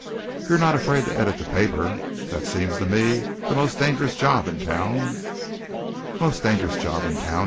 "You're not afraid to edit the paper. That seems to me the most dangerous job in town." "Most dangerous job in town!"